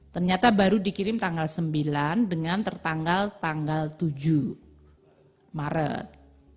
ternyata baru dikirim tanggal sembilan dengan tertanggal tanggal tujuh maret